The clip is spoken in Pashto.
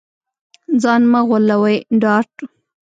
ځان مه غولوې ډارت